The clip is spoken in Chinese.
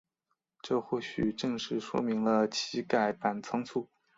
这或许正是说明了其改版仓促。